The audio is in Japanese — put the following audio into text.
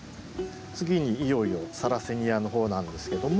次にいよいよサラセニアの方なんですけども。